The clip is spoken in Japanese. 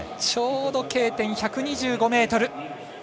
ちょうどＫ点１２５ｍ。